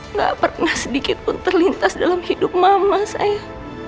nggak pernah sedikit pun terlintas dalam hidup mama saya